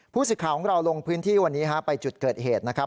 ผู้ศิษย์ขาวของเราลงพื้นที่วันนี้ฮะไปจุดเกิดเหตุนะครับ